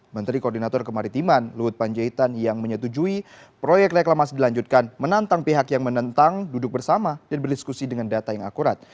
menteri koordinator kemaritiman luhut panjaitan yang menyetujui proyek reklamasi dilanjutkan menantang pihak yang menentang duduk bersama dan berdiskusi dengan data yang akurat